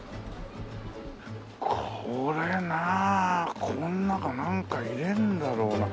これなこの中なんか入れるんだろうな。